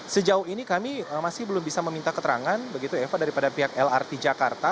sejauh ini kami masih belum bisa meminta keterangan begitu eva daripada pihak lrt jakarta